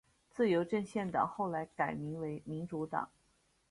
自由阵线党后来改名为民主党。